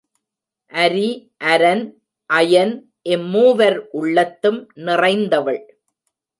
அரி, அரன், அயன் இம்மூவர் உள்ளத்தும் நிறைந்தவள்.